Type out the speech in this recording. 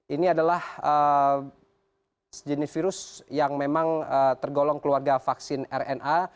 ini adalah sejenis virus yang memang tergolong keluarga vaksin rna